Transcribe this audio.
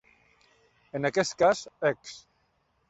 En aquest cas, Eqs.